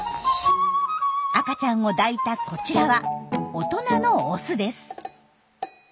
赤ちゃんを抱いたこちらは大人のオスです。